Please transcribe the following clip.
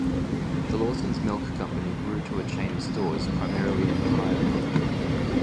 The Lawson's Milk Company grew to a chain of stores, primarily in Ohio.